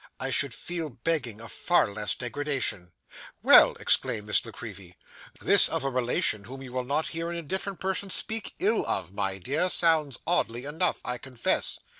I should feel begging a far less degradation.' 'Well!' exclaimed Miss La Creevy. 'This of a relation whom you will not hear an indifferent person speak ill of, my dear, sounds oddly enough, I confess.